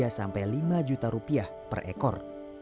tapi saya sebenarnya sih sudah lepas proseshh